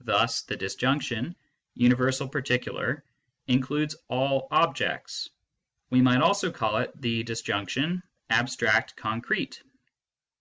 Thus the disjunction " universal particular " includes all objects. We might also call it the disjunction " abstract concrete."